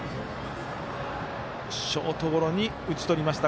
ショートゴロに打ち取りました。